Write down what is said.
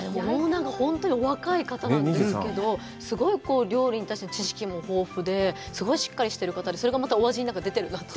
本当にお若い方なんですけど、すごい料理に対して知識も豊富で、すごいしっかりしてる方でそれがまたお味に出ているなという。